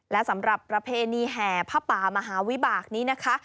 และสำหรับประเพณีแห่ผ้าป่ามหาวิบากนี้นะคะ